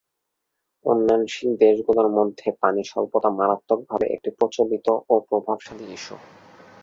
উন্নয়নশীল দেশগুলোর মধ্যে পানি স্বল্পতা মারাত্মকভাবে একটি প্রচলিত ও প্রভাবশালী ইস্যু।